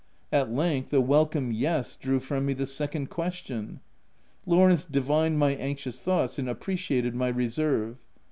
At length a welcome " yes " drew from me the second question. Lawrence divined my an xious thoughts, and appreciated my reserve.